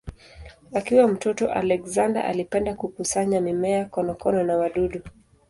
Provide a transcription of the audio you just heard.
Akiwa mtoto Alexander alipenda kukusanya mimea, konokono na wadudu.